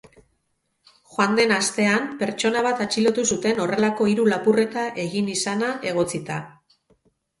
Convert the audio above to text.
Joan den astean pertsona bat atxilotu zuten horrelako hiru lapurreta egin izana egotzita.